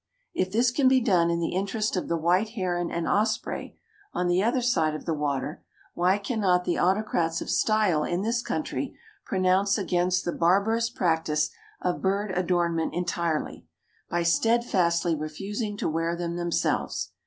If this can be done in the interest of the white heron and osprey, on the other side of the water, why cannot the autocrats of style in this country pronounce against the barbarous practice of bird adornment entirely, by steadfastly refusing to wear them themselves?